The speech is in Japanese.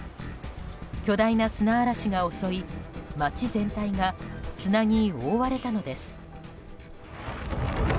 巨大な砂嵐が襲い街全体が砂に覆われたのです。